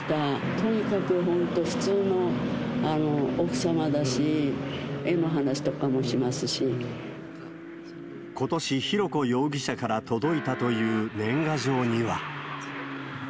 とにかく本当、普通の奥様だし、ことし、浩子容疑者から届いたという年賀状には。